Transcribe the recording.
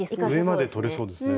上までとれそうですね。